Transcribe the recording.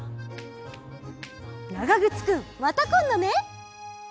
ながぐつくんまたこんどね。